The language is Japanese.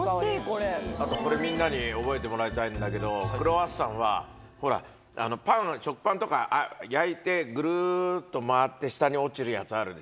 あとこれみんなに覚えてもらいたいんだけどクロワッサンはほら食パンとか焼いてぐるっと回って下に落ちるやつあるでしょ。